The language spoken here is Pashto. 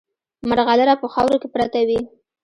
مرغلره په خاورو کې پرته وي.